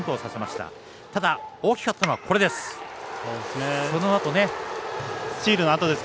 ただ、大きかったのはこれです。